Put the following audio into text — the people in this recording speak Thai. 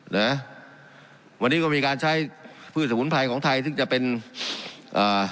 นะวันนี้ก็มีการใช้พืชสมุนไพรของไทยซึ่งจะเป็นอ่า